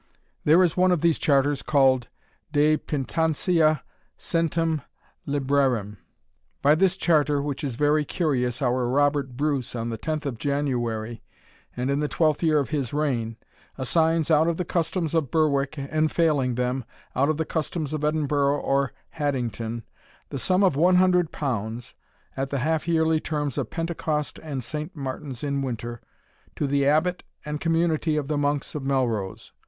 There is one of these charters called De Pitancia Centum Librarum By this charter, which is very curious, our Robert Bruce, on the 10th January, and in the twelfth year of his reign, assigns, out of the customs of Berwick, and failing them, out of the customs of Edinburgh or Haddington, the sum of one hundred pounds, at the half yearly terms of Pentecost and Saint Martin's in winter, to the abbot and community of the monks of Melrose.